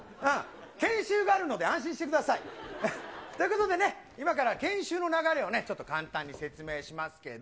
研修があるので安心してください。ということでね、今から研修の流れをね、ちょっと簡単に説明しますけど。